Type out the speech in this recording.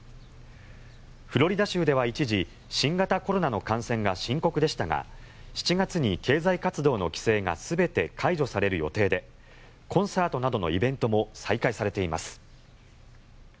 フロリダ州では、一時新型コロナの感染が深刻でしたが７月に経済活動の規制が全て解除される予定でコンサートなどのイベントも再開されています。